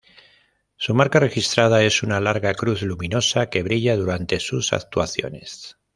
Su marca registrada es una larga cruz luminosa que brilla durante sus actuaciones.